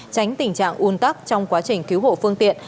tránh tình trạng un tắc trong quá trình cứu hộ phương tiện